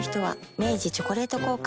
明治「チョコレート効果」